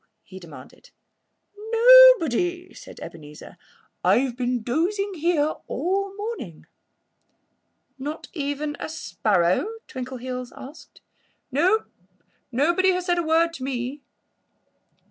he demanded. "Nobody!" said Ebenezer. "I've been dozing here all the morning." "Not even a sparrow?" Twinkleheels asked. "No! Nobody has said a word to me."